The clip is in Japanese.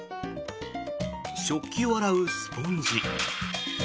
食器を洗うスポンジ。